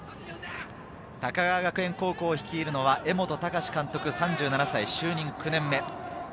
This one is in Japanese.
高川学園高校を率いるのは江本孝監督３７歳、就任９年目。